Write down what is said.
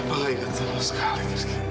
papa gak ingat kamu sekali